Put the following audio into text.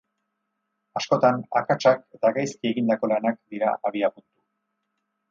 Askotan, akatsak eta gaizki egindako lanak dira abiapuntu.